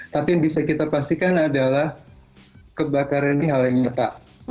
tapi yang bisa kita pastikan adalah kebakaran ini hal yang nyata